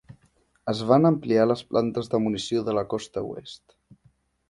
Es van ampliar les plantes de munició de la costa oest.